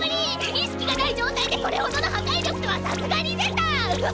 意識がない状態でこれほどの破壊力とはさすがリゼたん！